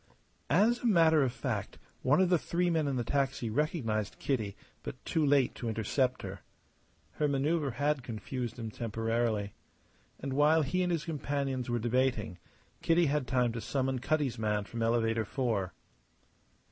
As a matter of fact, one of the three men in the taxi recognized Kitty, but too late to intercept her. Her manoeuvre had confused him temporarily. And while he and his companions were debating, Kitty had time to summon Cutty's man from Elevator Four.